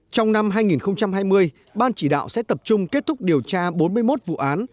trong năm hai nghìn hai mươi ban chỉ đạo sẽ tập trung kết thúc điều tra bốn mươi một vụ án